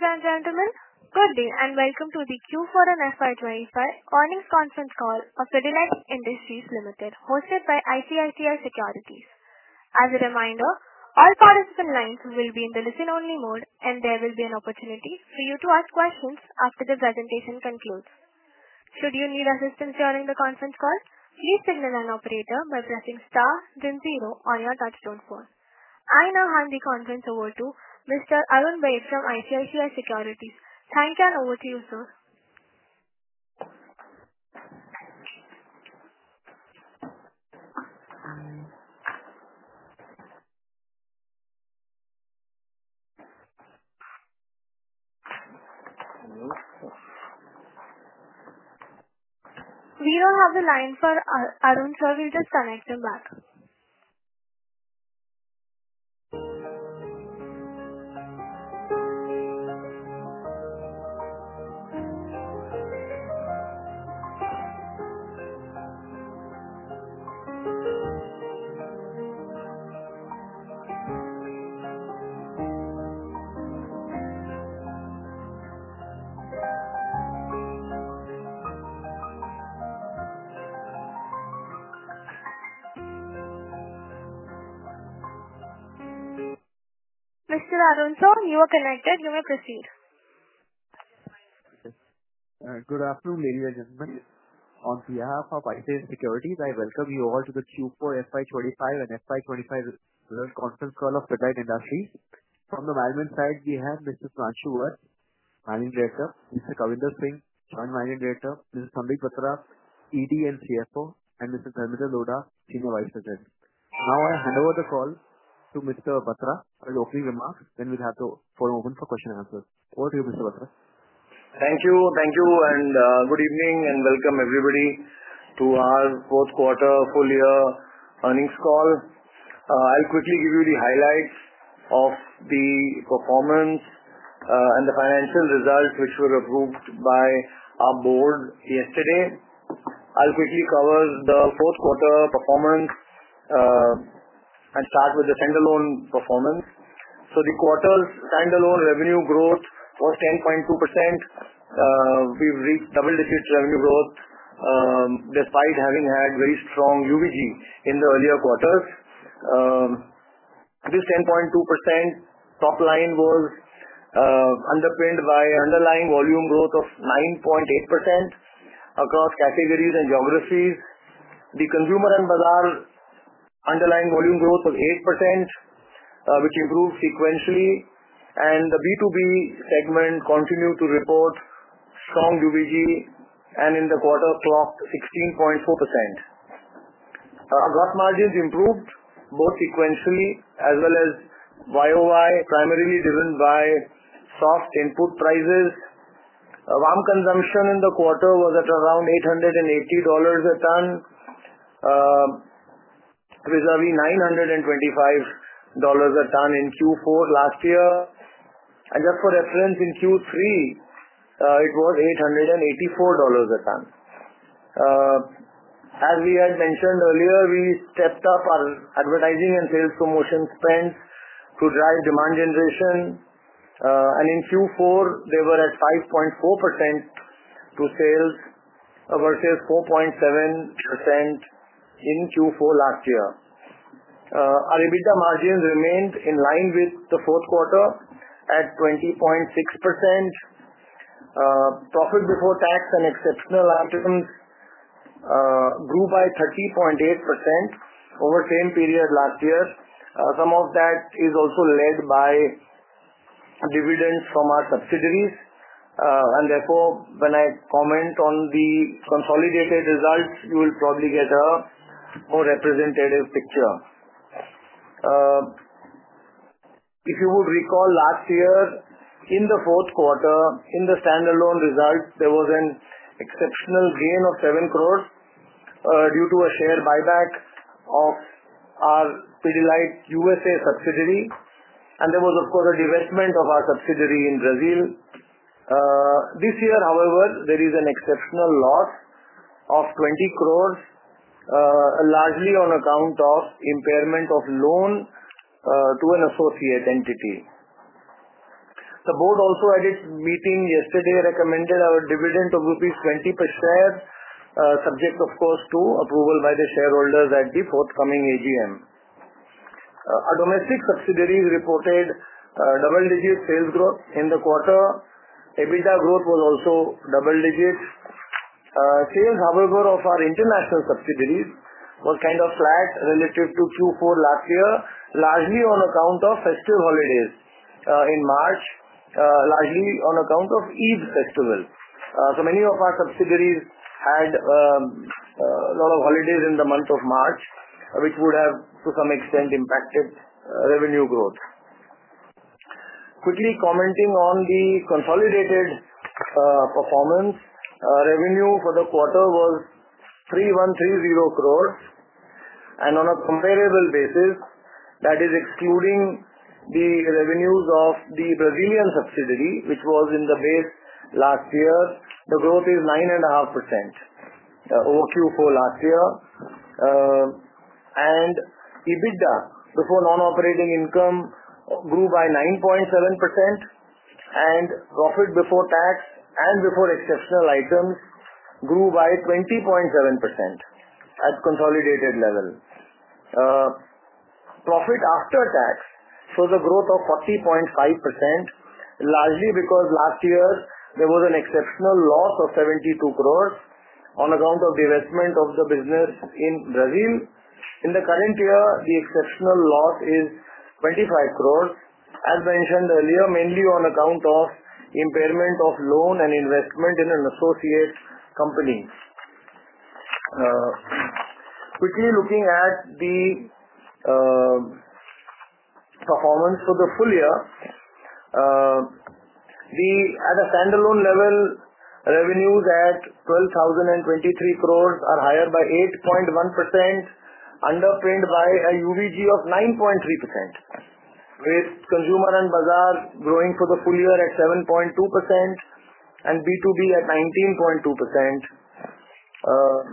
Ladies and gentlemen, good day and welcome to the Q4 on FY25 earnings conference call of Pidilite Industries Limited, hosted by ICICI Securities. As a reminder, all participant lines will be in the listen-only mode, and there will be an opportunity for you to ask questions after the presentation concludes. Should you need assistance during the conference call, please signal an operator by pressing star then zero on your touchtone phone. I now hand the conference over to Mr. Arun Baid from ICICI Securities. Thank you and over to you, sir. We do not have the line for Arun, so we will just connect him back. Mr. Arun, you are connected. You may proceed. Good afternoon, ladies and gentlemen. On behalf of ICICI Securities, I welcome you all to the Q4 FY25 and FY25 conference call of Pidilite Industries. From the management side, we have Mr. Sudhanshu Vats, Managing Director; Mr. Kavinder Singh, Joint Managing Director; Mr. Sandeep Batra, ED and CFO; and Mr. Kavinder Lodha, Senior Vice President. Now I hand over the call to Mr. Batra for the opening remarks, then we'll have the forum open for questions and answers. Over to you, Mr. Batra. Thank you. Thank you and good evening and welcome everybody to our fourth quarter full-year earnings call. I'll quickly give you the highlights of the performance and the financial results which were approved by our board yesterday. I'll quickly cover the fourth quarter performance and start with the standalone performance. The quarter's standalone revenue growth was 10.2%. We've reached double-digit revenue growth despite having had very strong UVG in the earlier quarters. This 10.2% top line was underpinned by underlying volume growth of 9.8% across categories and geographies. The consumer and bazaar underlying volume growth was 8%, which improved sequentially. The B2B segment continued to report strong UVG, and in the quarter, clocked 16.4%. Our gross margins improved both sequentially as well as year over year, primarily driven by soft input prices. VAM consumption in the quarter was at around $880 a ton, preserving $925 a ton in Q4 last year. For reference, in Q3, it was $884 a ton. As we had mentioned earlier, we stepped up our advertising and sales promotion spend to drive demand generation. In Q4, they were at 5.4% to sales versus 4.7% in Q4 last year. Our EBITDA margins remained in line with the fourth quarter at 20.6%. Profit before tax and exceptional items grew by 30.8% over the same period last year. Some of that is also led by dividends from our subsidiaries. Therefore, when I comment on the consolidated results, you will probably get a more representative picture. If you would recall last year, in the fourth quarter, in the standalone results, there was an exceptional gain of seven crores due to a share buy-back of our Pidilite USA subsidiary. There was, of course, a divestment of our subsidiary in Brazil. This year, however, there is an exceptional loss of 20 crores, largely on account of impairment of loan to an associate entity. The board also had its meeting yesterday, recommended our dividend of rupees 20 per share, subject, of course, to approval by the shareholders at the forthcoming AGM. Our domestic subsidiaries reported double-digit sales growth in the quarter. EBITDA growth was also double-digit. Sales, however, of our international subsidiaries were kind of flat relative to Q4 last year, largely on account of festive holidays in March, largely on account of Eid festival. Many of our subsidiaries had a lot of holidays in the month of March, which would have, to some extent, impacted revenue growth. Quickly commenting on the consolidated performance, revenue for the quarter was 3,130 crores. On a comparable basis, that is excluding the revenues of the Brazilian subsidiary, which was in the base last year, the growth is 9.5% over Q4 last year. EBITDA before non-operating income grew by 9.7%, and profit before tax and before exceptional items grew by 20.7% at consolidated level. Profit after tax shows a growth of 40.5%, largely because last year there was an exceptional loss of 72 crores on account of divestment of the business in Brazil. In the current year, the exceptional loss is 25 crores, as mentioned earlier, mainly on account of impairment of loan and investment in an associate company. Quickly looking at the performance for the full year, at a standalone level, revenues at 12,023 crores are higher by 8.1%, underpinned by a UVG of 9.3%, with consumer and bazaar growing for the full year at 7.2% and B2B at 19.2%.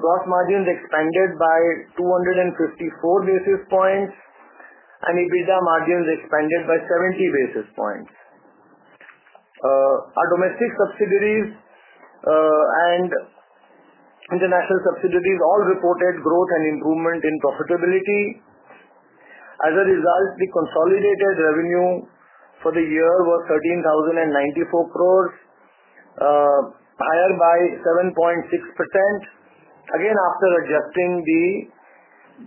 Gross margins expanded by 254 basis points, and EBITDA margins expanded by 70 basis points. Our domestic subsidiaries and international subsidiaries all reported growth and improvement in profitability. As a result, the consolidated revenue for the year was 13,094 crores, higher by 7.6%, again after adjusting the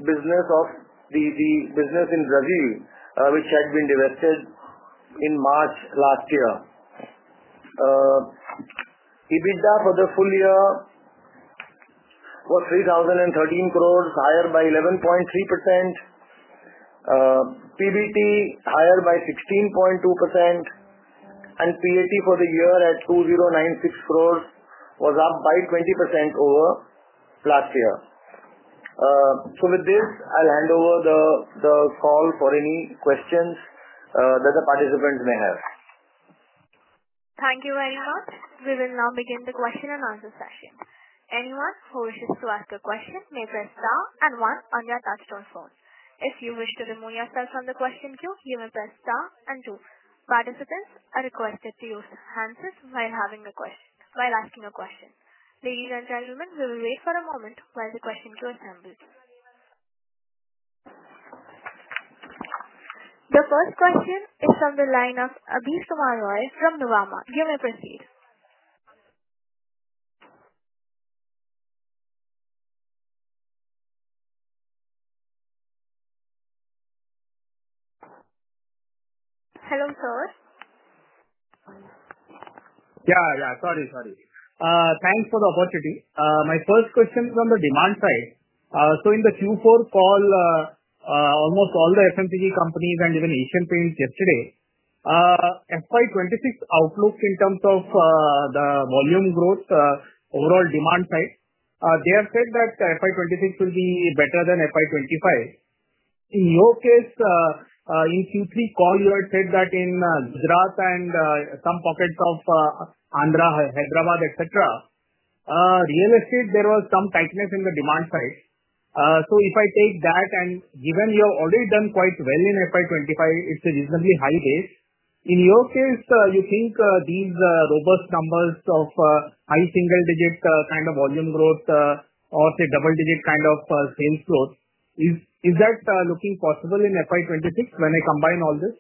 business in Brazil, which had been divested in March last year. EBITDA for the full year was 3,013 crores, higher by 11.3%. PBT higher by 16.2%, and PAT for the year at 2,096 crores was up by 20% over last year. With this, I'll hand over the call for any questions that the participants may have. Thank you very much. We will now begin the question and answer session. Anyone who wishes to ask a question may press star and one on your touchtone phone. If you wish to remove yourself from the question queue, you may press star and two. Participants are requested to use handsets while asking a question. Ladies and gentlemen, we will wait for a moment while the question queue assembles. The first question is from the line of Abneesh Kumar Roy from Nuvama. You may proceed. Hello, sir. Yeah, yeah. Sorry, sorry. Thanks for the opportunity. My first question from the demand side. In the Q4 call, almost all the FMCG companies and even Asian Paints yesterday, FY26 outlook in terms of the volume growth, overall demand side, they have said that FY26 will be better than FY25. In your case, in the Q3 call, you had said that in Gujarat and some pockets of Andhra Pradesh, Hyderabad, etc., real estate, there was some tightness in the demand side. If I take that and given you have already done quite well in FY25, it's a reasonably high base. In your case, you think these robust numbers of high single-digit kind of volume growth or, say, double-digit kind of sales growth, is that looking possible in FY26 when I combine all this?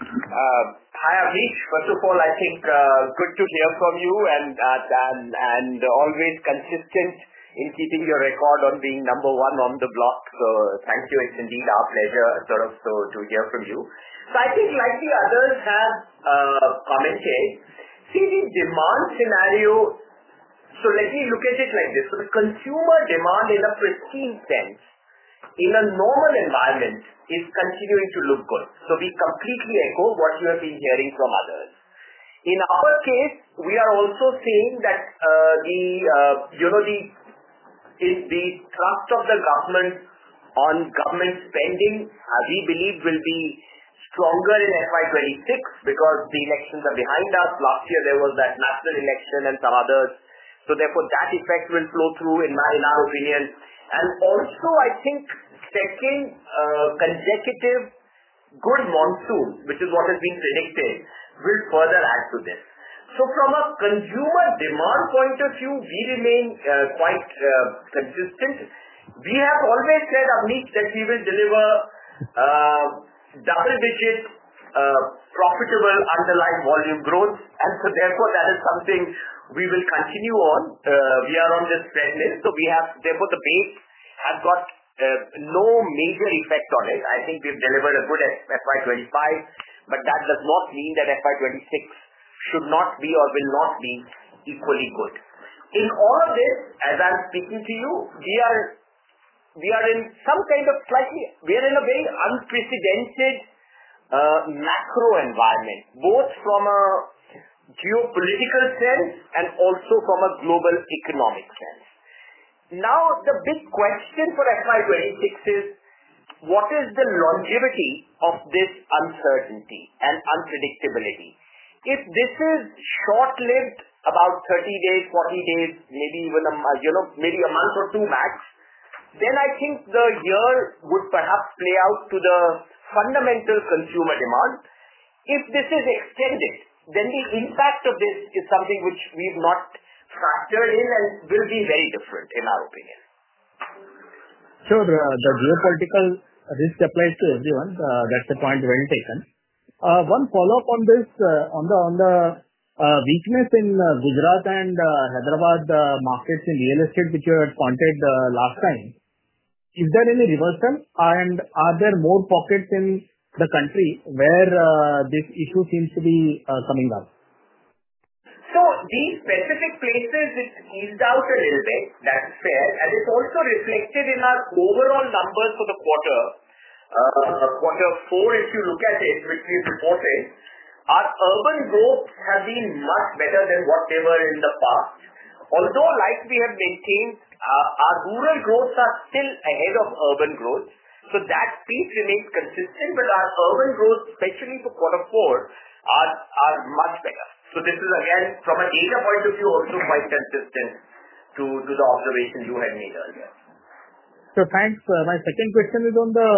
Hi, Abneesh. First of all, I think good to hear from you and always consistent in keeping your record on being number one on the block. Thank you. It's indeed our pleasure sort of to hear from you. I think, like the others have commented, see the demand scenario. Let me look at it like this. Consumer demand, in a pristine sense, in a normal environment, is continuing to look good. We completely echo what you have been hearing from others. In our case, we are also seeing that the trust of the government on government spending, we believe, will be stronger in FY26 because the elections are behind us. Last year, there was that national election and some others. Therefore, that effect will flow through, in our opinion. I think, second consecutive good monsoon, which is what has been predicted, will further add to this. From a consumer demand point of view, we remain quite consistent. We have always said, Abneesh, that we will deliver double-digit profitable underlying volume growth. That is something we will continue on. We are on this thread list. The base has got no major effect on it. I think we have delivered a good FY25, but that does not mean that FY26 should not be or will not be equally good. In all of this, as I am speaking to you, we are in some kind of slightly, we are in a very unprecedented macro environment, both from a geopolitical sense and also from a global economic sense. Now, the big question for FY26 is, what is the longevity of this uncertainty and unpredictability? If this is short-lived, about 30 days-40 days, maybe even a month or two max, then I think the year would perhaps play out to the fundamental consumer demand. If this is extended, then the impact of this is something which we've not factored in and will be very different, in our opinion. Sure. The geopolitical risk applies to everyone. That's the point well taken. One follow-up on this, on the weakness in Gujarat and Hyderabad markets in real estate, which you had pointed last time, is there any reversal? Are there more pockets in the country where this issue seems to be coming up? These specific places, it's eased out a little bit. That's fair. It's also reflected in our overall numbers for the quarter. Quarter four, if you look at it, which we've reported, our urban growth has been much better than what they were in the past. Although, like we have maintained, our rural growths are still ahead of urban growth. That piece remains consistent. Our urban growth, especially for quarter four, are much better. This is, again, from a data point of view, also quite consistent to the observation you had made earlier. Thanks. My second question is on the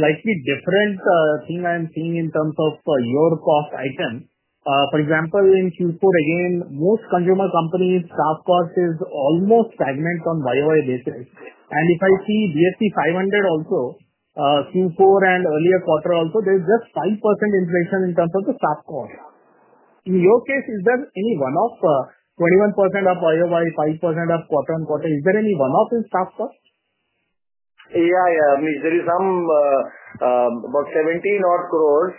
slightly different thing I'm seeing in terms of your cost item. For example, in Q4, again, most consumer companies, staff cost is almost stagnant on YoY basis. If I see BSE 500 also, Q4 and earlier quarter also, there's just 5% inflation in terms of the staff cost. In your case, is there any one-off? 21% of YoY, 5% of quarter on quarter, is there any one-off in staff cost? Yeah, yeah. There is some about 17 crores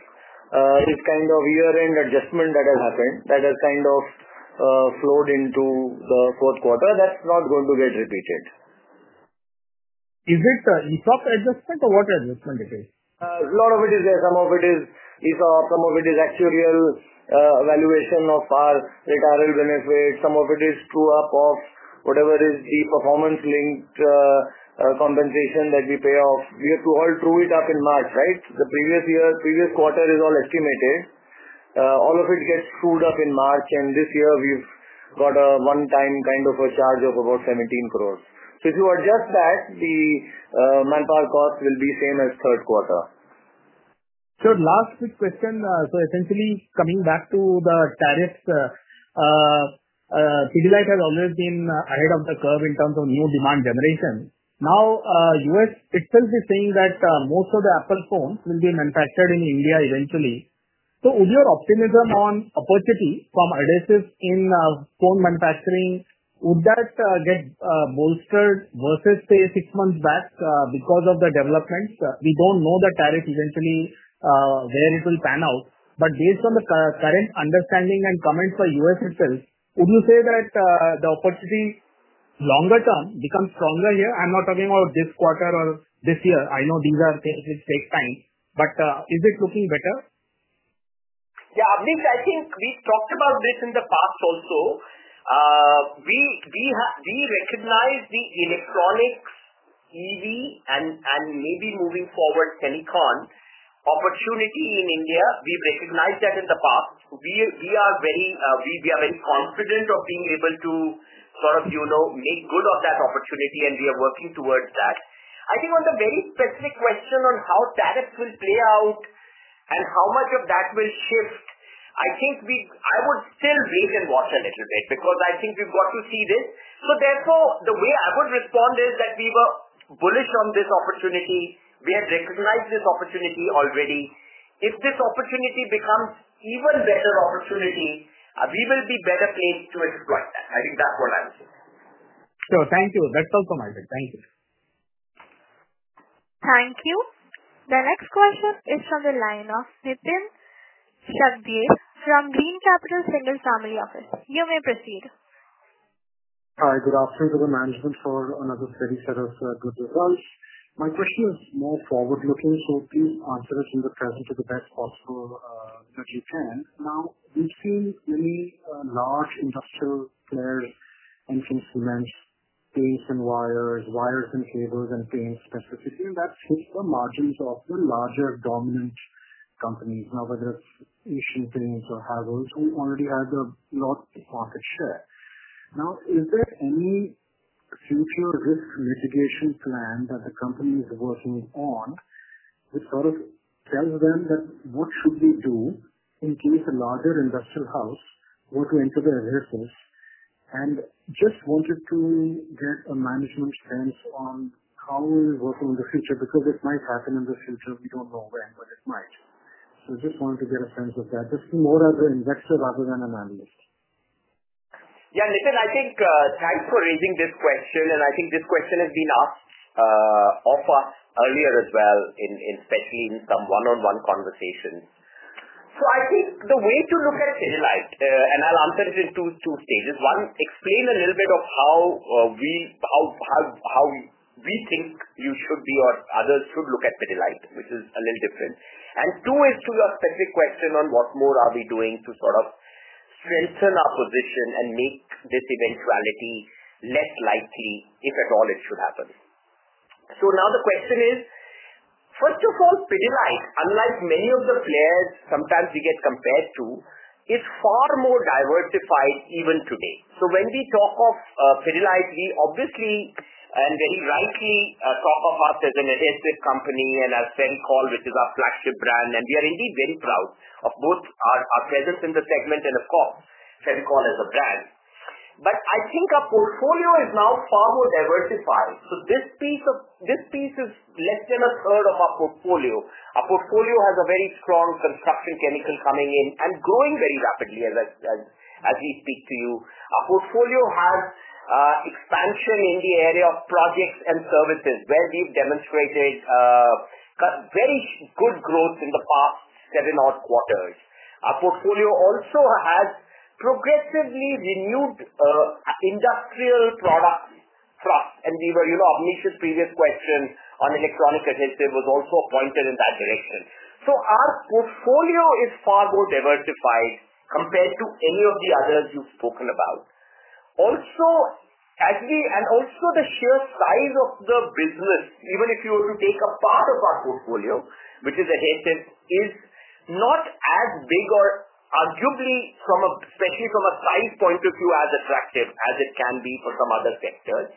with kind of year-end adjustment that has happened that has kind of flowed into the fourth quarter. That's not going to get repeated. Is it ESOP adjustment or what adjustment is it? A lot of it is ESOP. Some of it is actuarial valuation of our retirement benefit. Some of it is true-up of whatever is the performance-linked compensation that we pay off. We have to all true it up in March, right? The previous quarter is all estimated. All of it gets trued up in March. This year, we've got a one-time kind of a charge of about 17 crores. If you adjust that, the manpower cost will be same as third quarter. Sir, last quick question. So essentially, coming back to the tariffs, Pidilite has always been ahead of the curve in terms of new demand generation. Now, U.S. itself is saying that most of the Apple phones will be manufactured in India eventually. So with your optimism on opportunity from adhesives in phone manufacturing, would that get bolstered versus, say, six months back because of the developments? We do not know the tariff eventually where it will pan out. But based on the current understanding and comments for U.S. itself, would you say that the opportunity longer term becomes stronger here? I am not talking about this quarter or this year. I know these are things which take time. But is it looking better? Yeah, Abneesh, I think we talked about this in the past also. We recognize the electronics, EV, and maybe moving forward, semiconductor opportunity in India. We've recognized that in the past. We are very confident of being able to sort of make good of that opportunity, and we are working towards that. I think on the very specific question on how tariffs will play out and how much of that will shift, I think I would still wait and watch a little bit because I think we've got to see this. Therefore, the way I would respond is that we were bullish on this opportunity. We had recognized this opportunity already. If this opportunity becomes even better opportunity, we will be better placed to exploit that. I think that's what I would say. Sure. Thank you. That's all from my side. Thank you. Thank you. The next question is from the line of Nitin Shakdher from Green Capital Single Family Office. You may proceed. Hi, good afternoon. Management, for another steady set of good results. My question is more forward-looking, so please answer it in the present to the best possible that you can. Now, we've seen many large industrial players and consumers, paints and wires, wires and cables, and paints specifically, and that's hit the margins of the larger dominant companies. Now, whether it's Asian Paints or Havells, who already have a lot of market share. Now, is there any future risk mitigation plan that the company is working on which sort of tells them that what should they do in case a larger industrial house were to enter the races? Just wanted to get a management sense on how we're working in the future because it might happen in the future. We don't know when, but it might. Just wanted to get a sense of that. Just more as an investor rather than an analyst. Yeah, Nitin, I think thanks for raising this question. I think this question has been asked of us earlier as well, especially in some one-on-one conversations. I think the way to look at Pidilite, and I'll answer it in two stages. One, explain a little bit of how we think you should be or others should look at Pidilite, which is a little different. Two, is to your specific question on what more are we doing to sort of strengthen our position and make this eventuality less likely, if at all it should happen. Now the question is, first of all, Pidilite, unlike many of the players sometimes we get compared to, is far more diversified even today. When we talk of Pidilite, we obviously and very rightly talk of us as an adhesives company and as Fevicol, which is our flagship brand. We are indeed very proud of both our presence in the segment and, of course, Fevicol as a brand. I think our portfolio is now far more diversified. This piece is less than a third of our portfolio. Our portfolio has a very strong construction chemical coming in and growing very rapidly as we speak to you. Our portfolio has expansion in the area of projects and services where we've demonstrated very good growth in the past seven odd quarters. Our portfolio also has progressively renewed industrial product thrust. Abneesh's previous question on electronic adhesive was also pointed in that direction. Our portfolio is far more diversified compared to any of the others you've spoken about. Also, the sheer size of the business, even if you were to take a part of our portfolio, which is adhesives, is not as big or arguably, especially from a size point of view, as attractive as it can be for some other sectors.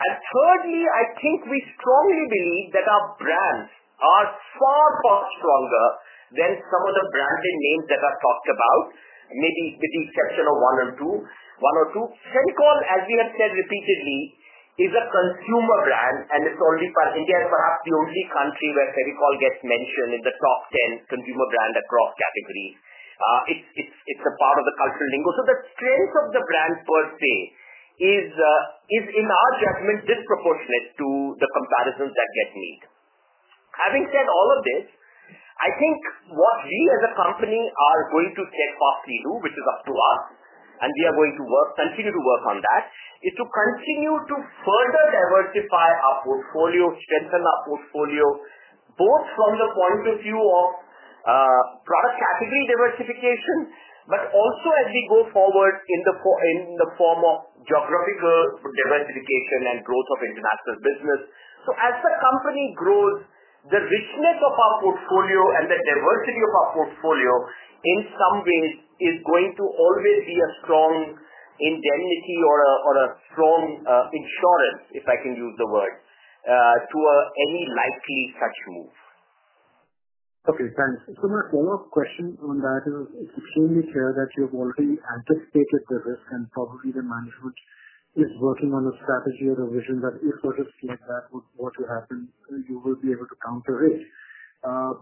Thirdly, I think we strongly believe that our brands are far far stronger than some of the branded names that are talked about, maybe with the exception of one or two. Fevicol, as we have said repeatedly, is a consumer brand, and it's only for India is perhaps the only country where Fevicol gets mentioned in the top 10 consumer brands across categories. It's a part of the cultural lingo. The strength of the brand per se is, in our judgment, disproportionate to the comparisons that get made. Having said all of this, I think what we as a company are going to steadfastly do, which is up to us, and we are going to continue to work on that, is to continue to further diversify our portfolio, strengthen our portfolio, both from the point of view of product category diversification, but also as we go forward in the form of geographical diversification and growth of international business. As the company grows, the richness of our portfolio and the diversity of our portfolio, in some ways, is going to always be a strong indemnity or a strong insurance, if I can use the word, to any likely such move. Okay. Thanks. My follow-up question on that is, it's extremely clear that you have already anticipated the risk, and probably the management is working on a strategy or a vision that if a risk like that were to happen, you will be able to counter it.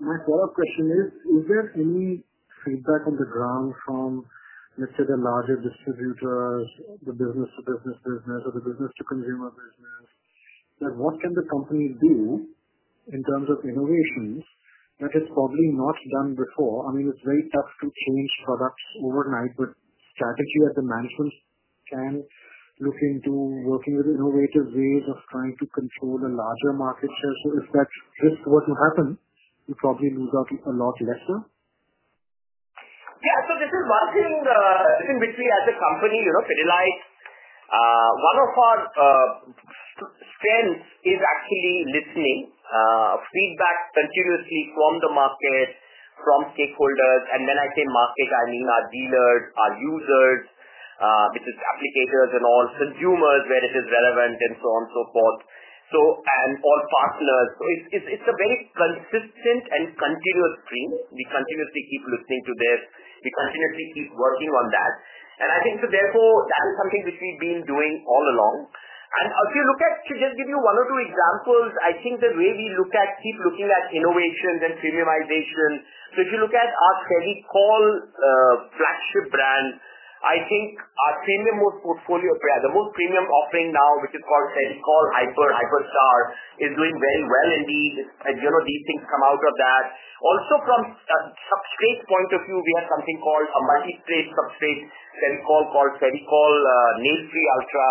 My follow-up question is, is there any feedback on the ground from, let's say, the larger distributors, the business-to-business business, or the business-to-consumer business, that what can the company do in terms of innovations that has probably not done before? I mean, it's very tough to change products overnight, but strategy at the management can look into working with innovative ways of trying to control the larger market share. If that risk were to happen, you probably lose out a lot lesser. Yeah. This is one thing in which we, as a company, Pidilite, one of our strengths is actually listening to feedback continuously from the market, from stakeholders. When I say market, I mean our dealers, our users, which is applicators and all, consumers where it is relevant, and so on and so forth, and all partners. It is a very consistent and continuous stream. We continuously keep listening to this. We continuously keep working on that. I think, therefore, that is something which we've been doing all along. If you look at, to just give you one or two examples, I think the way we look at, keep looking at innovations and premiumization. If you look at our Fevicol flagship brand, I think our premium most portfolio, the most premium offering now, which is called Fevicol Hyperstar, is doing very well indeed. These things come out of that. Also, from substrate point of view, we have something called a multi-substrate Fevicol called Fevicol Nature Ultra,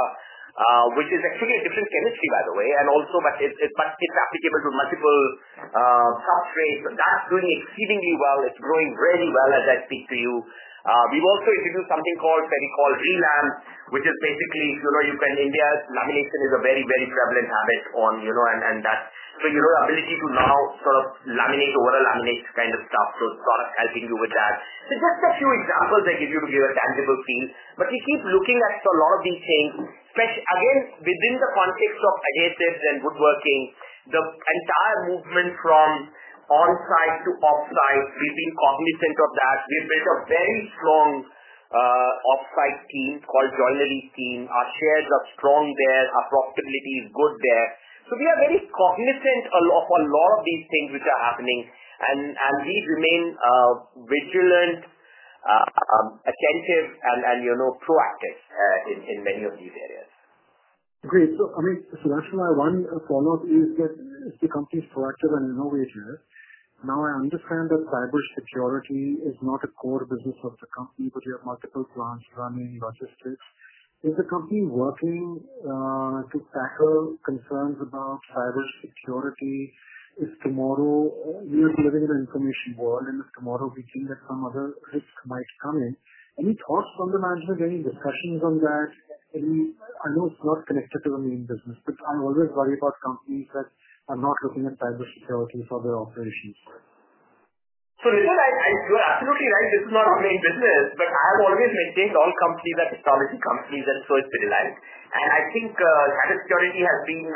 which is actually a different chemistry, by the way, but it's applicable to multiple substrates. That's doing exceedingly well. It's growing very well as I speak to you. We've also introduced something called Fevicol Relamp, which is basically you can, in India, lamination is a very, very prevalent habit on and that. Your ability to now sort of laminate over a laminate kind of stuff, so product helping you with that. Just a few examples I give you to give a tangible feel. We keep looking at a lot of these things, again, within the context of adhesives and woodworking, the entire movement from onsite to offsite. We've been cognizant of that. We've built a very strong offsite team called Joinery Team. Our shares are strong there. Our profitability is good there. We are very cognizant of a lot of these things which are happening. We remain vigilant, attentive, and proactive in many of these areas. Great. Actually, my one follow-up is that the company is proactive and innovative. Now, I understand that cybersecurity is not a core business of the company, but you have multiple plants running logistics. Is the company working to tackle concerns about cybersecurity if tomorrow we are living in an information world, and if tomorrow we think that some other risk might come in? Any thoughts from the management? Any discussions on that? I know it is not connected to the main business, but I always worry about companies that are not looking at cybersecurity for their operations. Nitin, you are absolutely right. This is not our main business, but I have always maintained all companies are technology companies. That is, it is Pidilite. I think cybersecurity has been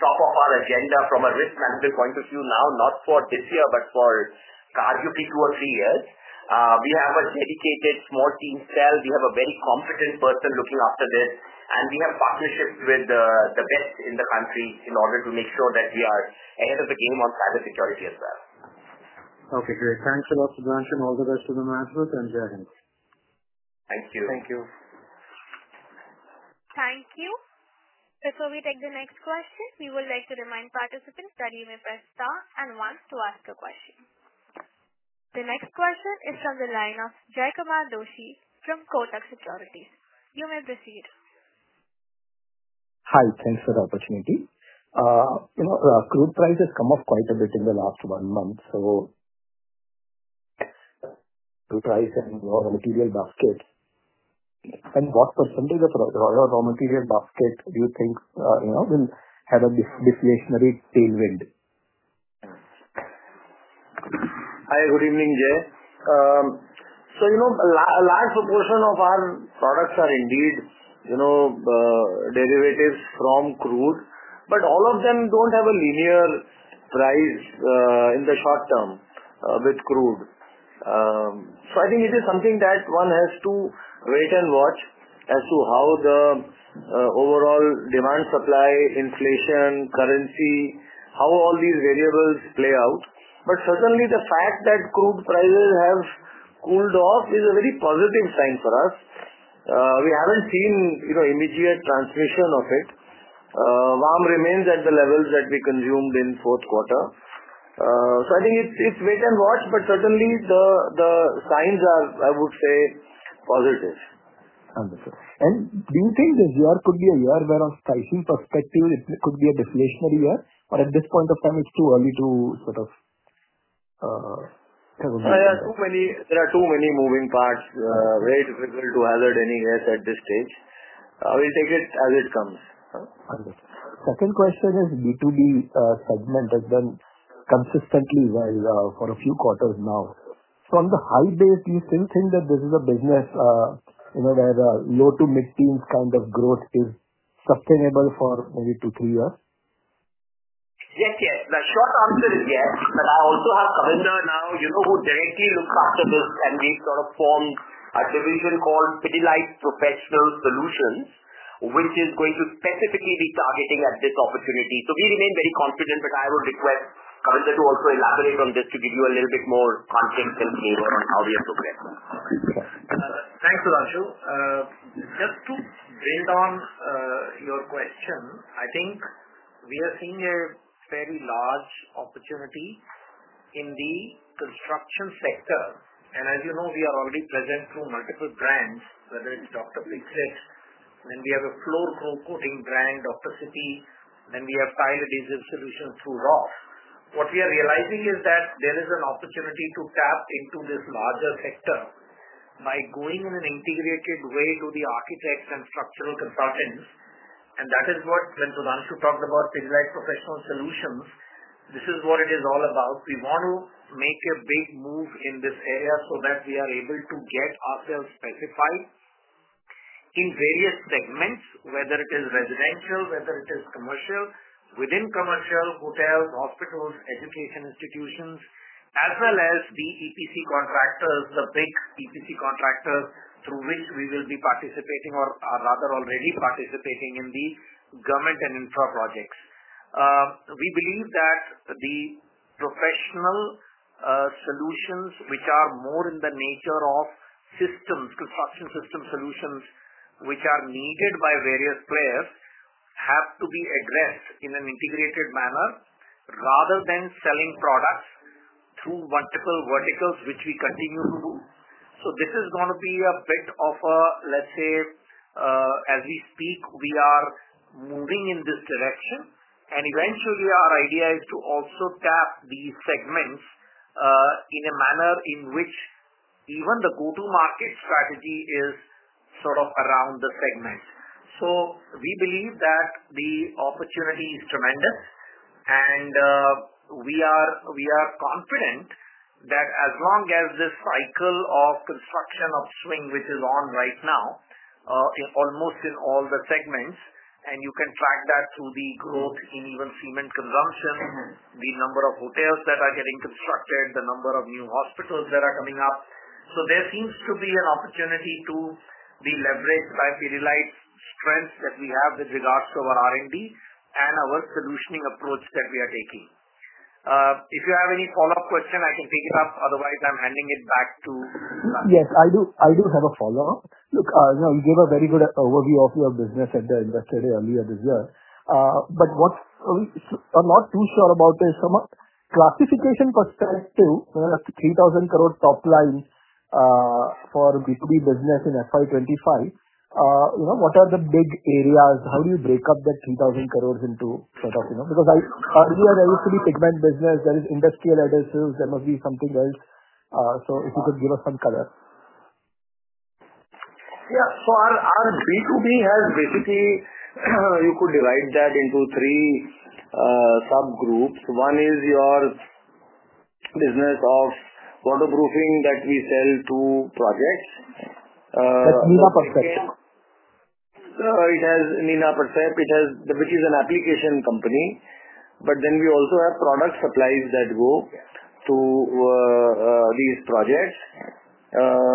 top of our agenda from a risk management point of view now, not for this year, but for arguably two or three years. We have a dedicated small team as well. We have a very competent person looking after this. We have partnerships with the best in the country in order to make sure that we are ahead of the game on cybersecurity as well. Okay. Great. Thanks a lot, Sudhanshu, and all the rest of the management. And Jayakant. Thank you. Thank you. Thank you. Before we take the next question, we would like to remind participants that you may press star and one to ask a question. The next question is from the line of Jayakumar Doshi from Kotak Securities. You may proceed. Hi. Thanks for the opportunity. Crude prices have come up quite a bit in the last one month. Crude price and raw material basket, and what percentage of raw material basket do you think will have a deflationary tailwind? Hi. Good evening, Jay. A large proportion of our products are indeed derivatives from crude, but all of them do not have a linear price in the short term with crude. I think it is something that one has to wait and watch as to how the overall demand supply, inflation, currency, how all these variables play out. Certainly, the fact that crude prices have cooled off is a very positive sign for us. We have not seen immediate transmission of it. VAM remains at the levels that we consumed in the fourth quarter. I think it is wait and watch, but certainly, the signs are, I would say, positive. Wonderful. Do you think this year could be a year where, on pricing perspective, it could be a deflationary year? Or at this point of time, it's too early to sort of tell? There are too many moving parts ready to trigger to hazard any risk at this stage. We'll take it as it comes. Wonderful. Second question is B2B segment has been consistently well for a few quarters now. From the high base, do you still think that this is a business where low- to mid-teens kind of growth is sustainable for maybe two, three years? Yes, yes. The short answer is yes. I also have Kavinder now who directly looks after this, and we've sort of formed a division called Pidilite Professional Solutions, which is going to specifically be targeting at this opportunity. We remain very confident, but I would request Kavinder to also elaborate on this to give you a little bit more context and flavor on how we are progressing. Thanks, Sudhanshu. Just to build on your question, I think we are seeing a fairly large opportunity in the construction sector. As you know, we are already present through multiple brands, whether it is Dr. Fixit, then we have a floor coating brand, Dr. City, then we have tile adhesive solutions through Roff. What we are realizing is that there is an opportunity to tap into this larger sector by going in an integrated way to the architects and structural consultants. That is what, when Subhanshu talked about Pidilite Professional Solutions, this is what it is all about. We want to make a big move in this area so that we are able to get ourselves specified in various segments, whether it is residential, whether it is commercial, within commercial hotels, hospitals, education institutions, as well as the EPC contractors, the big EPC contractors through which we will be participating or rather already participating in the government and infra projects. We believe that the professional solutions, which are more in the nature of construction system solutions, which are needed by various players, have to be addressed in an integrated manner rather than selling products through multiple verticals, which we continue to do. This is going to be a bit of a, let's say, as we speak, we are moving in this direction. Eventually, our idea is to also tap these segments in a manner in which even the go-to-market strategy is sort of around the segment. We believe that the opportunity is tremendous, and we are confident that as long as this cycle of construction upswing, which is on right now, almost in all the segments, and you can track that through the growth in even cement consumption, the number of hotels that are getting constructed, the number of new hospitals that are coming up. There seems to be an opportunity to be leveraged by Pidilite's strengths that we have with regards to our R&D and our solutioning approach that we are taking. If you have any follow-up question, I can take it up. Otherwise, I am handing it back to. Yes. I do have a follow-up. Look, you gave a very good overview of your business at the investor day earlier this year. What I'm not too sure about is, from a classification perspective, 3,000 crores top line for B2B business in FY 2025, what are the big areas? How do you break up that 3,000 crores into sort of because earlier, there used to be pigment business. There is industrial adhesives. There must be something else. If you could give us some color. Yeah. So our B2B has basically, you could divide that into three subgroups. One is your business of waterproofing that we sell to projects. That's Nina Percept. It has Nina Percept, which is an application company. However, we also have product supplies that go to these projects.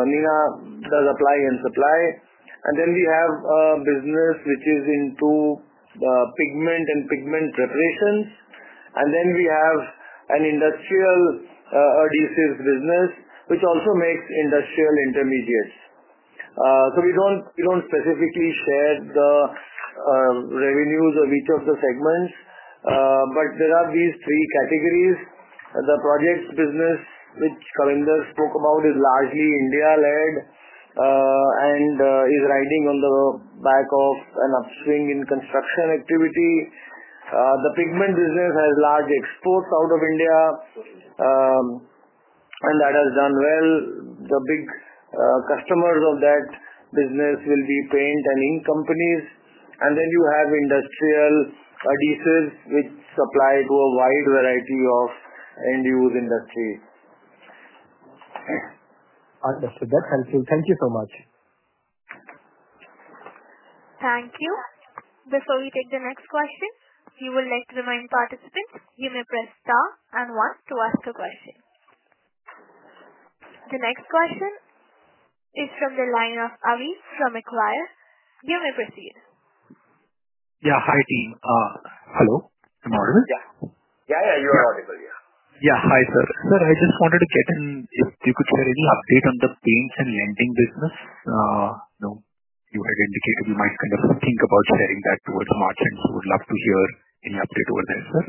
Nina does apply and supply. We have a business which is into pigment and pigment preparations. We have an industrial adhesives business, which also makes industrial intermediates. We do not specifically share the revenues of each of the segments. There are these three categories. The projects business, which Kavinder spoke about, is largely India-led and is riding on the back of an upswing in construction activity. The pigment business has large exports out of India, and that has done well. The big customers of that business will be paint and ink companies. We have industrial adhesives, which supply to a wide variety of end-use industry. Understood. That's helpful. Thank you so much. Thank you. Before we take the next question, if you would like to remind participants, you may press star and one to ask a question. The next question is from the line of Avi from Macquarie. You may proceed. Yeah. Hi, team. Hello. Am I audible? Yeah, yeah. You are audible, yeah. Yeah. Hi, sir. Sir, I just wanted to get in if you could share any update on the paints and lending business. You had indicated you might kind of think about sharing that towards March, and would love to hear any update over there, sir.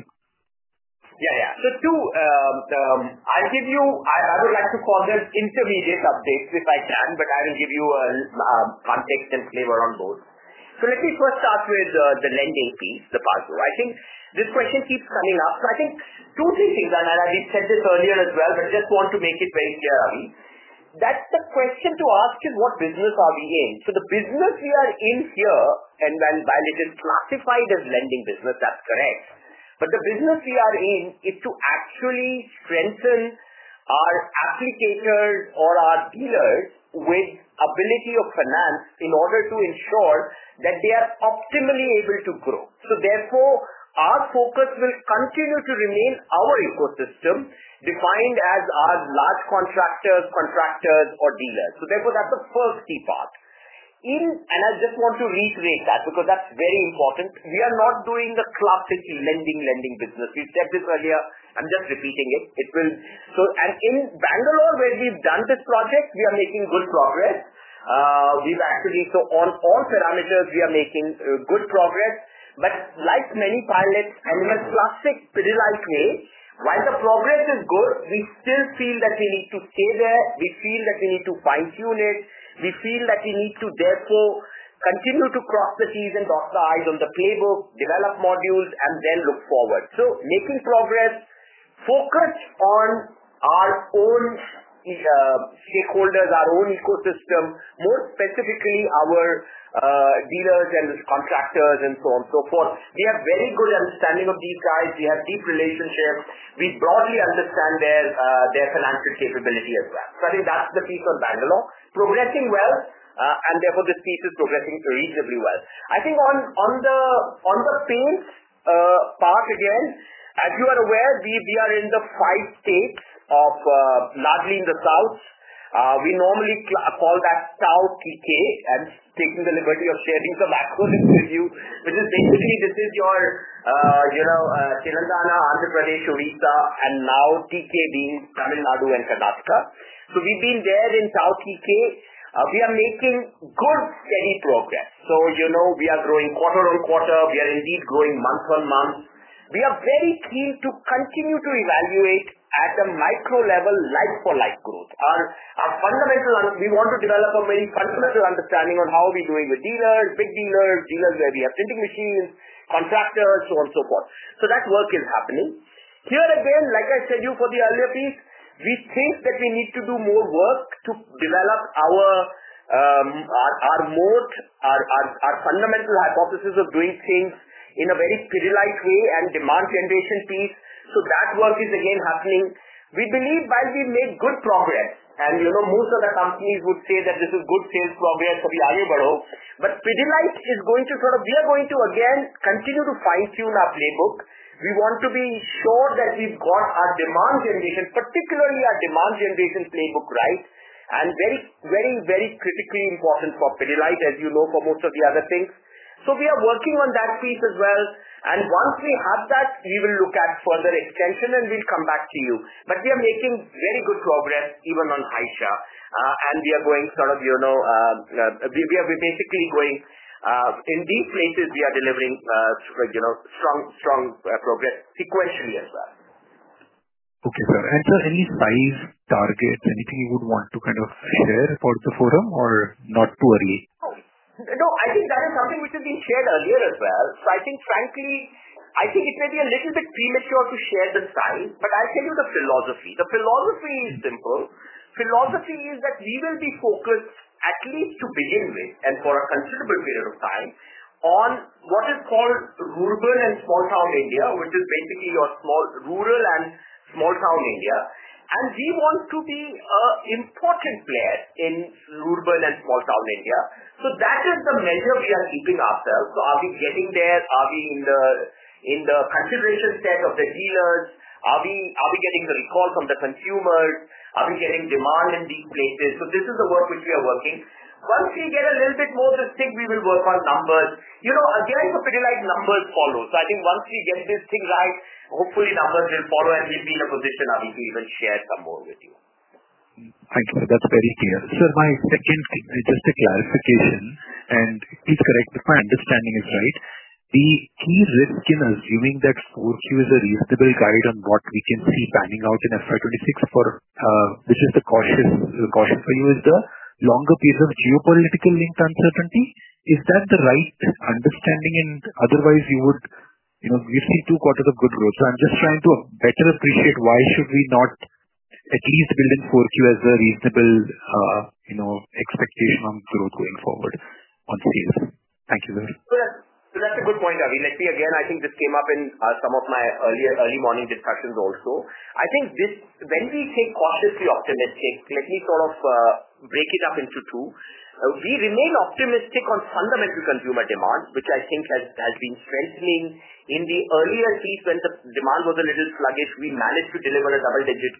Yeah, yeah. Two, I would like to call them intermediate updates if I can, but I will give you context and flavor on both. Let me first start with the lending piece, the part. I think this question keeps coming up. I think two, three things, and I said this earlier as well, but just want to make it very clear, Avi. The question to ask is, what business are we in? The business we are in here, and while it is classified as lending business, that's correct. The business we are in is to actually strengthen our applicators or our dealers with ability of finance in order to ensure that they are optimally able to grow. Therefore, our focus will continue to remain our ecosystem defined as our large contractors, contractors, or dealers. Therefore, that's the first key part. I just want to reiterate that because that's very important. We are not doing the classic lending, lending business. We said this earlier. I'm just repeating it. In Bangalore, where we've done this project, we are making good progress. On all parameters, we are making good progress. Like many pilots, and in a classic Pidilite way, while the progress is good, we still feel that we need to stay there. We feel that we need to fine-tune it. We feel that we need to therefore continue to cross the T's and dot the I's on the playbook, develop modules, and then look forward. Making progress, focused on our own stakeholders, our own ecosystem, more specifically our dealers and contractors and so on and so forth. We have very good understanding of these guys. We have deep relationships. We broadly understand their financial capability as well. I think that's the piece on Bangalore. Progressing well, and therefore, this piece is progressing reasonably well. I think on the paints part, again, as you are aware, we are in the five states of largely in the south. We normally call that Tao-TK, and taking the liberty of sharing some acronyms with you, which is basically this is your Telangana, Andhra Pradesh, Orissa, and now TK being Tamil Nadu and Karnataka. We have been there in Tao-TK. We are making good steady progress. We are growing quarter on quarter. We are indeed growing month on month. We are very keen to continue to evaluate at a micro level like-for-like growth. We want to develop a very fundamental understanding on how we're doing with dealers, big dealers, dealers where we have printing machines, contractors, so on and so forth. That work is happening. Here again, like I said to you for the earlier piece, we think that we need to do more work to develop our fundamental hypothesis of doing things in a very Pidilite way and demand generation piece. That work is again happening. We believe while we make good progress, and most of the companies would say that this is good sales progress, we are ahead. Pidilite is going to sort of, we are going to again continue to fine-tune our playbook. We want to be sure that we have got our demand generation, particularly our demand generation playbook right, and very, very, very critically important for Pidilite, as you know, for most of the other things. We are working on that piece as well. Once we have that, we will look at further extension, and we will come back to you. We are making very good progress even on Haisha, and we are going, sort of, we are basically going in these places, we are delivering strong progress sequentially as well. Okay, sir. And sir, any size targets, anything you would want to kind of share for the forum or not too early? No. I think that is something which has been shared earlier as well. I think, frankly, I think it may be a little bit premature to share the size, but I'll tell you the philosophy. The philosophy is simple. Philosophy is that we will be focused, at least to begin with, and for a considerable period of time, on what is called rural and small-town India, which is basically your rural and small-town India. We want to be an important player in rural and small-town India. That is the measure we are keeping ourselves. Are we getting there? Are we in the consideration set of the dealers? Are we getting the recall from the consumers? Are we getting demand in these places? This is the work which we are working. Once we get a little bit more this thing, we will work on numbers. Again, Pidilite numbers follow. I think once we get this thing right, hopefully, numbers will follow, and we'll be in a position, Avi, to even share some more with you. Thank you. That's very clear. Sir, my second, just a clarification, and please correct if my understanding is right. The key risk in assuming that Q4 is a reasonable guide on what we can see panning out in FY 2026, which is the cautious for you, is the longer period of geopolitical linked uncertainty. Is that the right understanding? Otherwise, we have seen two quarters of good growth. I am just trying to better appreciate why should we not at least build in Q4 as a reasonable expectation on growth going forward on sales. Thank you, sir. That's a good point, Avi. Let me again, I think this came up in some of my early morning discussions also. I think when we say cautiously optimistic, let me sort of break it up into two. We remain optimistic on fundamental consumer demand, which I think has been strengthening in the earlier piece when the demand was a little sluggish. We managed to deliver a double-digit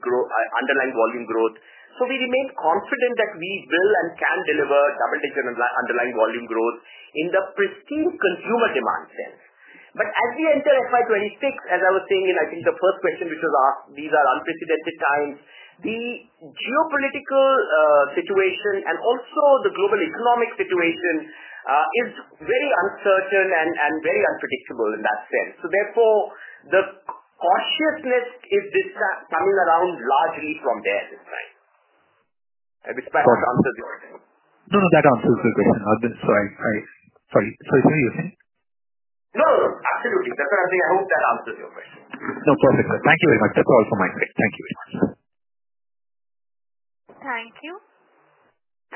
underlying volume growth. We remain confident that we will and can deliver double-digit underlying volume growth in the pristine consumer demand sense. As we enter FY 2026, as I was saying in, I think, the first question, which was asked, these are unprecedented times. The geopolitical situation and also the global economic situation is very uncertain and very unpredictable in that sense. Therefore, the cautiousness is coming around largely from there this time. I wish my answer answers your question. No, no. That answers the question. Sorry. Sorry. Is there anything? No. Absolutely. That's what I'm saying. I hope that answers your question. No. Perfect, sir. Thank you very much. That's all from my side. Thank you very much. Thank you.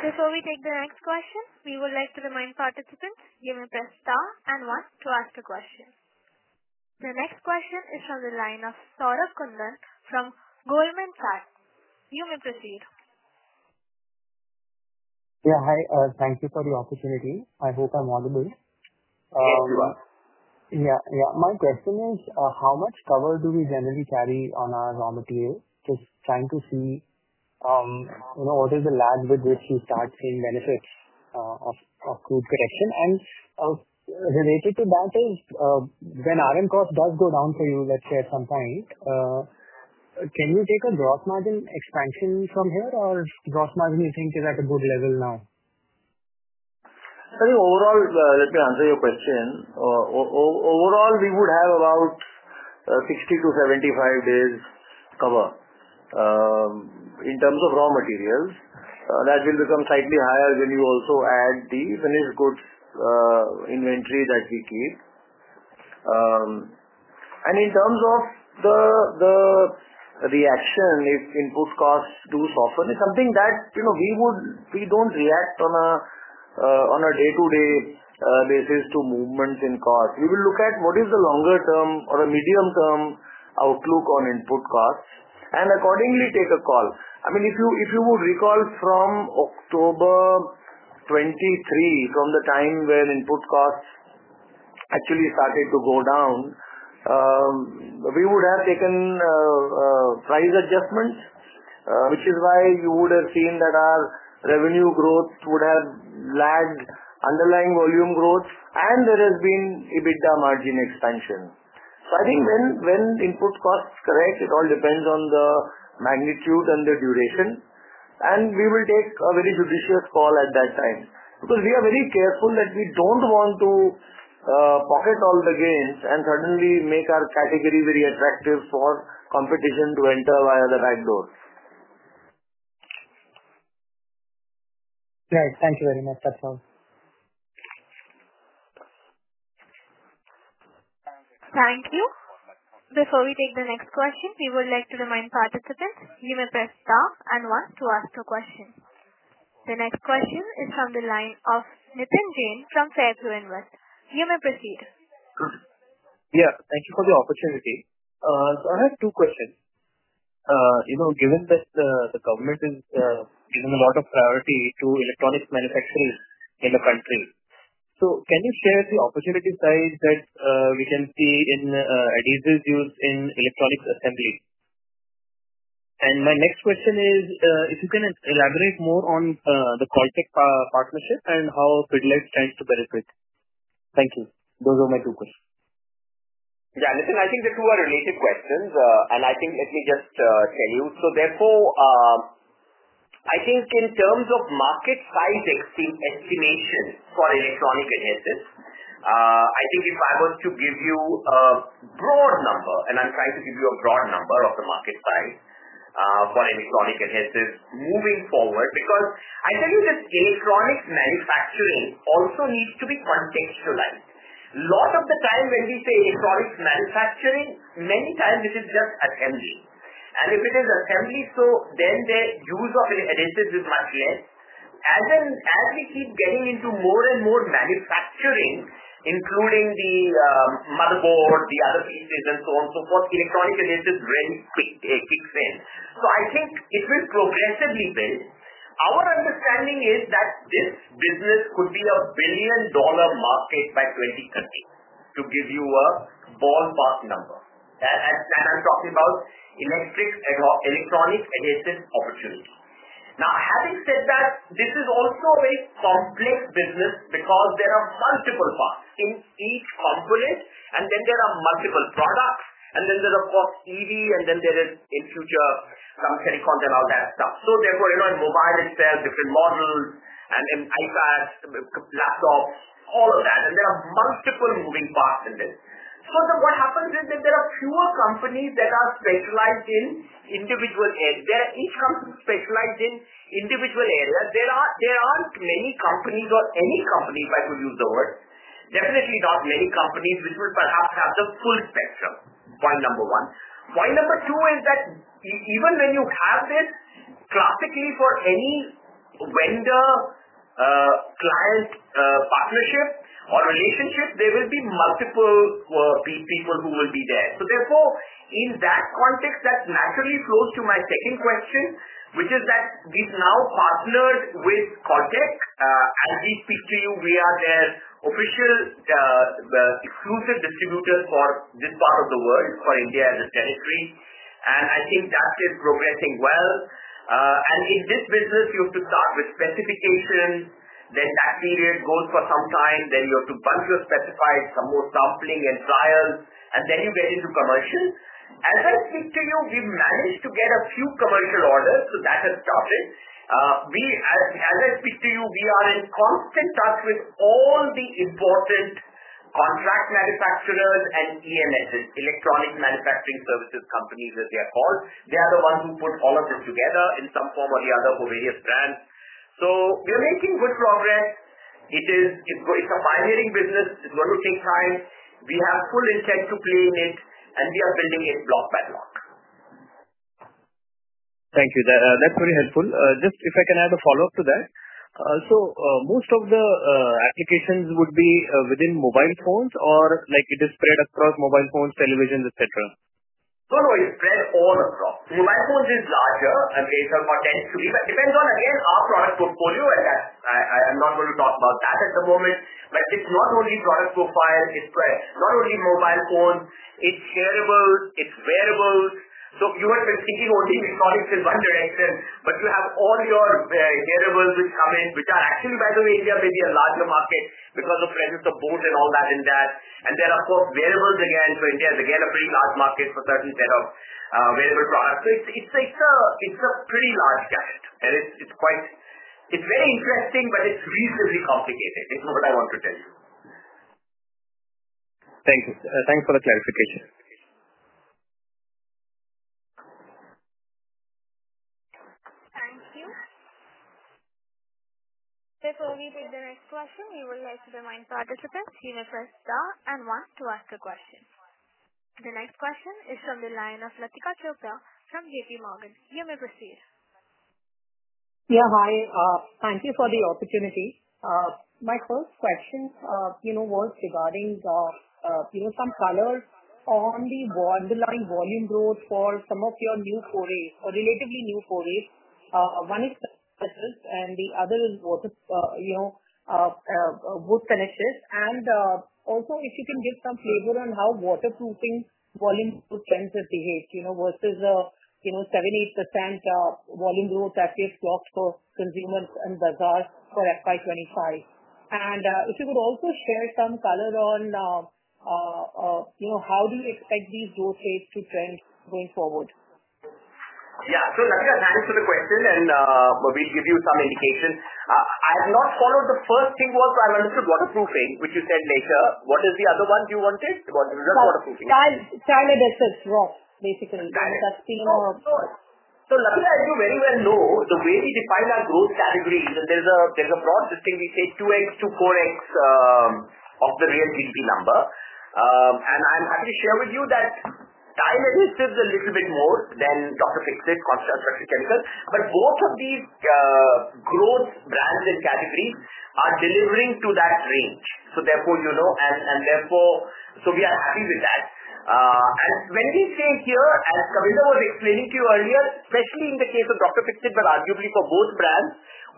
Before we take the next question, we would like to remind participants, you may press star and one to ask a question. The next question is from the line of Saurabh Kundan from Goldman Sachs. You may proceed. Yeah. Hi. Thank you for the opportunity. I hope I'm audible. Yes, you are. Yeah. Yeah. My question is, how much cover do we generally carry on our raw materials? Just trying to see what is the lag with which we start seeing benefits of crude production. Related to that is, when R&C does go down for you, let's say at some point, can you take a gross margin expansion from here? Or gross margin, you think, is at a good level now? I think overall, let me answer your question. Overall, we would have about 60-75 days cover in terms of raw materials. That will become slightly higher when you also add the finished goods inventory that we keep. In terms of the reaction, if input costs do soften, it's something that we don't react on a day-to-day basis to movements in cost. We will look at what is the longer term or a medium-term outlook on input costs and accordingly take a call. I mean, if you would recall from October 2023, from the time when input costs actually started to go down, we would have taken price adjustments, which is why you would have seen that our revenue growth would have lagged underlying volume growth, and there has been EBITDA margin expansion. I think when input costs correct, it all depends on the magnitude and the duration. We will take a very judicious call at that time because we are very careful that we do not want to pocket all the gains and suddenly make our category very attractive for competition to enter via the back door. Right. Thank you very much. That's all. Thank you. Before we take the next question, we would like to remind participants, you may press star and one to ask a question. The next question is from the line of Nitin Jain from Fairview Invest. You may proceed. Yeah. Thank you for the opportunity. I have two questions. Given that the government is giving a lot of priority to electronics manufacturing in the country, can you share the opportunity size that we can see in adhesives used in electronics assembly? My next question is, if you can elaborate more on the Caltech partnership and how Pidilite stands to benefit. Thank you. Those are my two questions. Yeah. Nitin, I think the two are related questions. I think let me just tell you. Therefore, I think in terms of market size estimation for electronic adhesives, I think if I was to give you a broad number, and I'm trying to give you a broad number of the market size for electronic adhesives moving forward, because I tell you this electronics manufacturing also needs to be contextualized. A lot of the time when we say electronics manufacturing, many times it is just assembly. If it is assembly, then the use of adhesives is much less. As we keep getting into more and more manufacturing, including the motherboard, the other pieces, and so on and so forth, electronic adhesives really kicks in. I think it will progressively build. Our understanding is that this business could be a billion-dollar market by 2030, to give you a ballpark number. I'm talking about electronic adhesive opportunity. Having said that, this is also a very complex business because there are multiple parts in each component, and then there are multiple products, and then there's, of course, EV, and in future, some silicons and all that stuff. In mobile itself, different models, and iPads, laptops, all of that. There are multiple moving parts in this. What happens is that there are fewer companies that are specialized in individual areas. Each company specialized in individual areas. There aren't many companies or any companies, if I could use the word. Definitely not many companies which will perhaps have the full spectrum, point number one. Point number two is that even when you have this, classically, for any vendor-client partnership or relationship, there will be multiple people who will be there. Therefore, in that context, that naturally flows to my second question, which is that we've now partnered with Caltech. As we speak to you, we are their official exclusive distributor for this part of the world, for India as a territory. I think that is progressing well. In this business, you have to start with specifications, then that period goes for some time, then you have a bunch of specified, some more sampling and trials, and then you get into commercial. As I speak to you, we've managed to get a few commercial orders, so that has started. As I speak to you, we are in constant touch with all the important contract manufacturers and EMSs, Electronic Manufacturing Services companies, as they are called. They are the ones who put all of this together in some form or the other for various brands. We are making good progress. It is a pioneering business. It is going to take time. We have full intent to play in it, and we are building it block by block. Thank you. That's very helpful. Just if I can add a follow-up to that. Most of the applications would be within mobile phones, or is it spread across mobile phones, televisions, etc.? No, no. It's spread all across. Mobile phones is larger. It tends to be, but it depends on, again, our product portfolio, and I'm not going to talk about that at the moment. It's not only product profile. It's spread. Not only mobile phones. It's wearables. So you have been thinking only electronics in one direction, but you have all your wearables which come in, which are actually, by the way, India may be a larger market because of the presence of boots and all that in that. Of course, wearables again. India is again a pretty large market for a certain set of wearable products. It's a pretty large gap. It's very interesting, but it's reasonably complicated is what I want to tell you. Thank you. Thanks for the clarification. Thank you. Before we take the next question, we would like to remind participants, you may press star and one to ask a question. The next question is from the line of Latika Chopra from JPMorgan. You may proceed. Yeah. Hi. Thank you for the opportunity. My first question was regarding some color on the underlying volume growth for some of your new forays, or relatively new forays. One is the metal, and the other is water wood finishes. Also, if you can give some flavor on how waterproofing volume growth trends have behaved versus a 7%-8% volume growth that we have clocked for consumers and bazaar for FY 2025. If you could also share some color on how you expect these growth rates to trend going forward? Yeah. Latika, thanks for the question, and we'll give you some indication. I've not followed. The first thing was I understood waterproofing, which you said later. What is the other one you wanted? What is waterproofing? Tile adhesives, Roff, basically. Tile adhesives. That's being offered. Latika, as you very well know, the way we define our growth categories, and there is a broad distinct. We say 2x-4x of the real GDP number. I am happy to share with you that tile adhesives a little bit more than Dr. Fixit, construction chemicals. Both of these growth brands and categories are delivering to that range. Therefore, you know, we are happy with that. When we say here, as Kavinder was explaining to you earlier, especially in the case of Dr. Fixit, but arguably for both brands,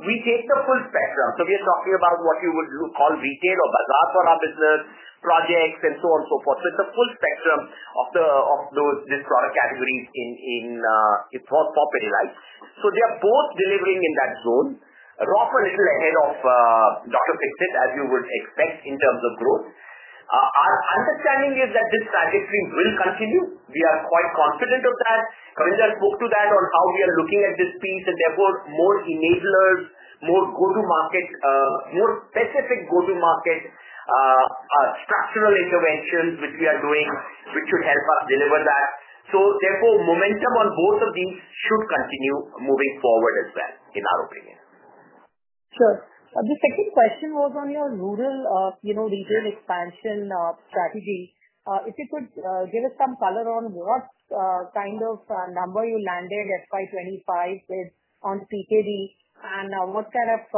we take the full spectrum. We are talking about what you would call retail or bazaar for our business projects and so on and so forth. It is a full spectrum of these product categories in for Pidilite. They are both delivering in that zone, Roff a little ahead of Dr. Fixit, as you would expect in terms of growth. Our understanding is that this trajectory will continue. We are quite confident of that. Kavinder spoke to that on how we are looking at this piece, and therefore, more enablers, more go-to-market, more specific go-to-market structural interventions, which we are doing, which should help us deliver that. Therefore, momentum on both of these should continue moving forward as well, in our opinion. Sure. The second question was on your rural retail expansion strategy. If you could give us some color on what kind of number you landed FY 2025 on PKD, and what kind of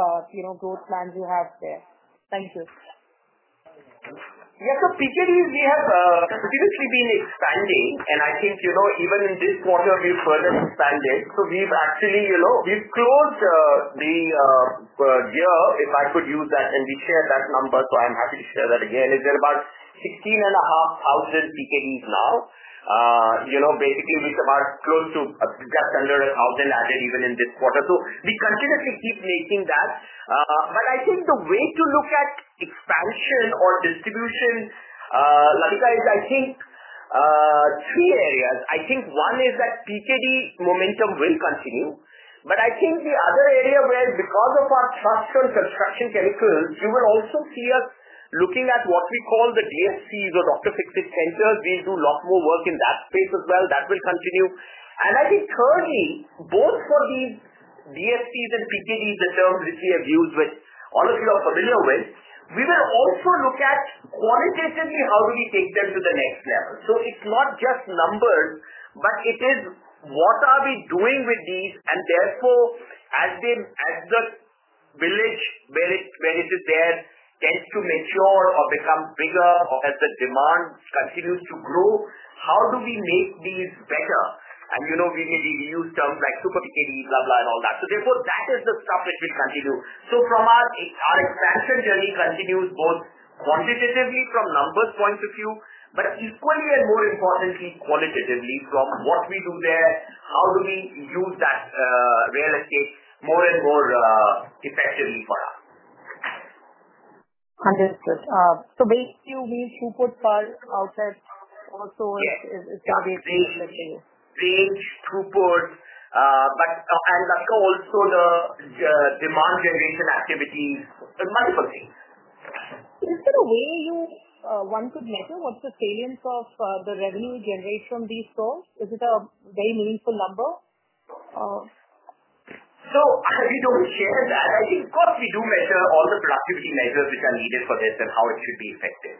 growth plans you have there. Thank you. Yeah. PKDs, we have continuously been expanding, and I think even in this quarter, we've further expanded. We've actually closed the year, if I could use that, and we shared that number, so I'm happy to share that again. It's about 16,500 PKDs now, basically, which are close to just under 1,000 added even in this quarter. We continuously keep making that. I think the way to look at expansion or distribution, Latika, is three areas. One is that PKD momentum will continue, but the other area where, because of our trust on construction chemicals, you will also see us looking at what we call the DSCs or Dr. Fixit centers. We'll do a lot more work in that space as well. That will continue. I think thirdly, both for these DSCs and PKDs, the terms which we have used which all of you are familiar with, we will also look at qualitatively how do we take them to the next level. It's not just numbers, but it is what are we doing with these, and therefore, as the village where it is there tends to mature or become bigger or as the demand continues to grow, how do we make these better? We may use terms like super PKD, blah, blah, and all that. That is the stuff which will continue. Our expansion journey continues both quantitatively from numbers point of view, but equally and more importantly, qualitatively from what we do there, how do we use that real estate more and more effectively for us. Understood. Range throughput for outside also is going to be a key factor here. Yes. Range throughput, and also the demand generation activities, multiple things. Is there a way you want to measure what's the salience of the revenue generated from these stores? Is it a very meaningful number? We do not share that. I think, of course, we do measure all the productivity measures which are needed for this and how it should be effective.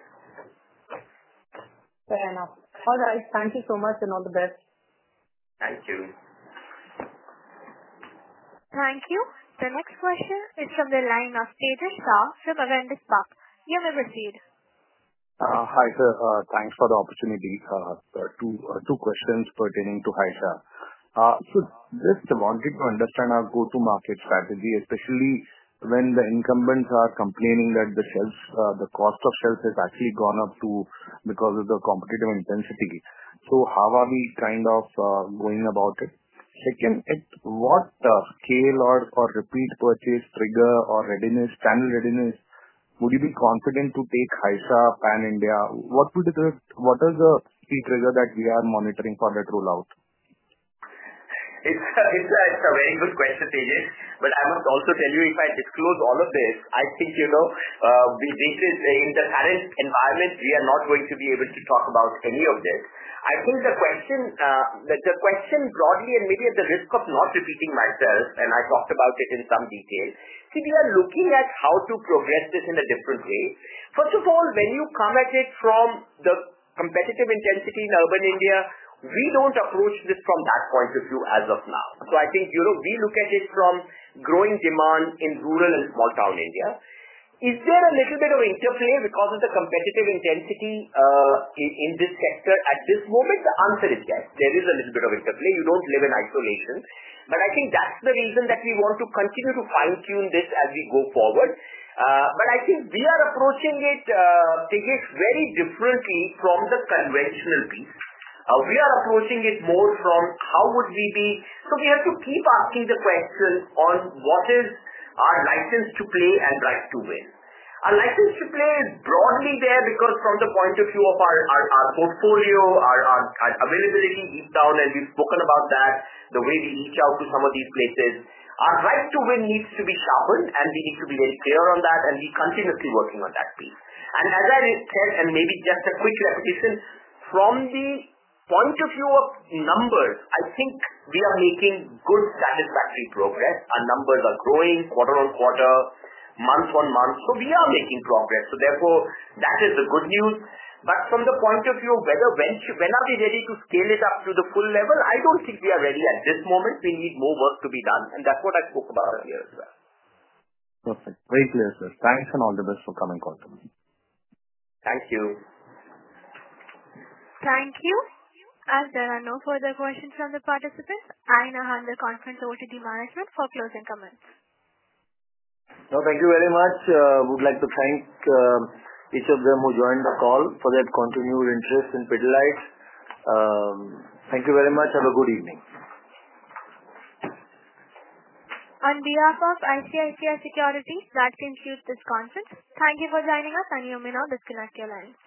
Fair enough. All right. Thank you so much and all the best. Thank you. Thank you. The next question is from the line of Tejas Shah from Avendus Spark. You may proceed. Hi, sir. Thanks for the opportunity. Two questions pertaining to Haisha. Just wanted to understand our go-to-market strategy, especially when the incumbents are complaining that the cost of shelf has actually gone up because of the competitive intensity. How are we kind of going about it? Second, what scale or repeat purchase trigger or channel readiness would you be confident to take Haisha Pan India? What are the key triggers that we are monitoring for that rollout? It's a very good question, Tejas, but I must also tell you, if I disclose all of this, I think in the current environment, we are not going to be able to talk about any of this. I think the question broadly, and maybe at the risk of not repeating myself, and I talked about it in some detail, see, we are looking at how to progress this in a different way. First of all, when you come at it from the competitive intensity in urban India, we don't approach this from that point of view as of now. I think we look at it from growing demand in rural and small-town India. Is there a little bit of interplay because of the competitive intensity in this sector at this moment? The answer is yes. There is a little bit of interplay. You don't live in isolation. I think that's the reason that we want to continue to fine-tune this as we go forward. I think we are approaching it, Tejas, very differently from the conventional piece. We are approaching it more from how would we be? We have to keep asking the question on what is our license to play and right to win. Our license to play is broadly there because from the point of view of our portfolio, our availability deep down, and we've spoken about that, the way we reach out to some of these places. Our right to win needs to be sharpened, and we need to be very clear on that, and we're continuously working on that piece. As I said, and maybe just a quick repetition, from the point of view of numbers, I think we are making good, satisfactory progress. Our numbers are growing quarter on quarter, month on month. We are making progress. That is the good news. From the point of view of whether when are we ready to scale it up to the full level, I do not think we are ready at this moment. We need more work to be done. That is what I spoke about earlier as well. Perfect. Very clear, sir. Thanks and all the best for coming forward. Thank you. Thank you. As there are no further questions from the participants, I now hand the conference over to the management for closing comments. No, thank you very much. I would like to thank each of them who joined the call for their continued interest in Pidilite. Thank you very much. Have a good evening. On behalf of ICICI Securities, that concludes this conference. Thank you for joining us, and you may now disconnect your lines.